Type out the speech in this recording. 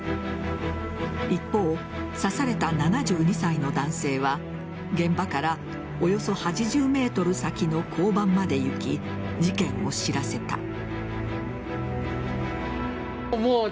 一方、刺された７２歳の男性は現場からおよそ８０ｍ先の交番まで行き事件を知らせた。